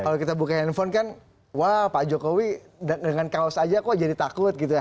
kalau kita buka handphone kan wah pak jokowi dengan kaos aja kok jadi takut gitu ya